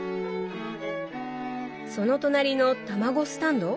その隣の卵スタンド？